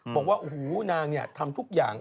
บอกว่าโอ้โหนางเนี่ยทำทุกอย่าง